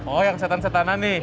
oh yang setan setanah nih